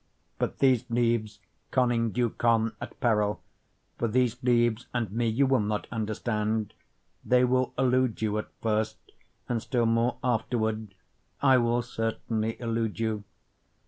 But these leaves conning you con at peril, For these leaves and me you will not understand, They will elude you at first and still more afterward, I will certainly elude you.